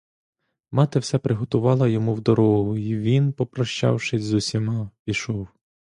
Мати все приготувала йому в дорогу й він, попрощавшись з усіма, пішов.